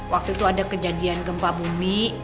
waktu itu ada kejadian gempa bumi